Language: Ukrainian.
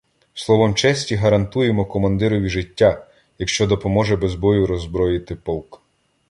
Словом честі гарантуємо командирові життя, якщо допоможе без бою роззброїти полк.